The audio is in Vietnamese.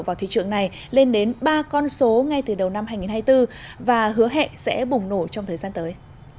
vào thị trường này lên đến ba con số ngay từ đầu năm hai nghìn hai mươi bốn và hứa hẹn sẽ bùng nổ trong thời gian tới